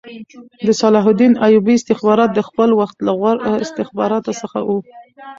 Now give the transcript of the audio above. د صلاح الدین ایوبي استخبارات د خپل وخت له غوره استخباراتو څخه وو